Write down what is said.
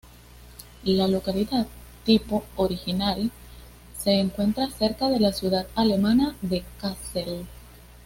La localidad tipo original se encuentra cerca de la ciudad alemana de Kassel.